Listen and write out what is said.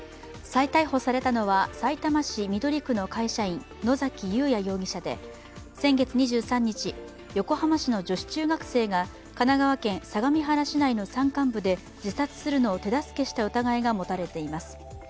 再逮捕されたのはさいたま市緑区の会社員野崎祐也容疑者で、先月２３日横浜市の女子中学生が神奈川県相模原市内の山間部で自殺するのを手助けした疑いが持たれています。